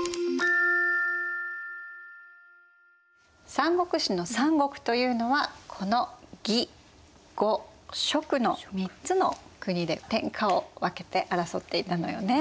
「三国志」の三国というのはこの魏呉蜀の３つの国で天下を分けて争っていたのよね。